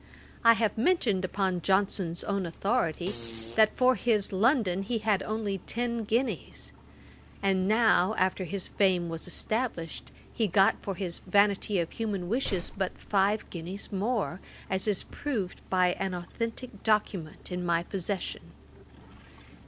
I have mentioned, upon Johnson's own authority, that for his London he had only ten guineas; and now, after his fame was established, he got for his Vanity of Human Wishes but five guineas more, as is proved by an authentick document in my possession.